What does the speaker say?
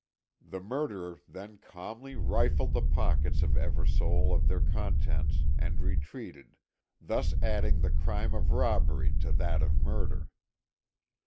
The murderer then calmly rifled the pockets of Eversole of their contents and retreated, thus adding the crime of robbery to that of murder.